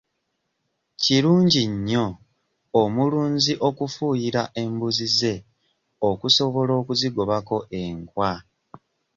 Kirungi nnyo omulunzi okufuuyira embuzi ze okusobola okuzigobako enkwa.